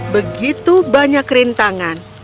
begitu banyak rintangan